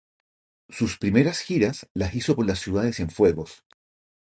Sus primeras giras las hizo por la Ciudad De Cienfuegos.